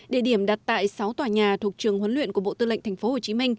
địa điểm đặt tại sáu tòa nhà thuộc trường huấn luyện của bộ tư lệnh tp hcm